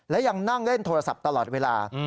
และยังนั่งเล่นโทรศัพท์ตลอดเวลา